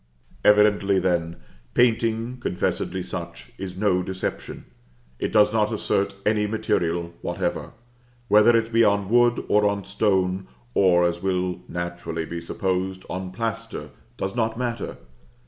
Evidently, then, painting, confessedly such, is no deception: it does not assert any material whatever. Whether it be on wood or on stone, or, as will naturally be supposed, on plaster, does not matter.